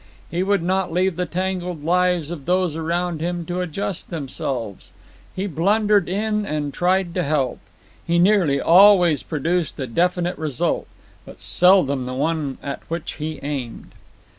He would not leave the tangled lives of those around him to adjust themselves. He blundered in and tried to help. He nearly always produced a definite result, but seldom the one at which he aimed.